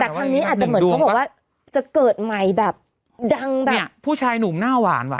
แต่ทำนี้เหมือนเขาบอกว่าจะเกิดใหม่แบบดังแบบอีกแม่ดวงล่ะเนี้ยผู้ชายหนุ่มหน้าหวานวะ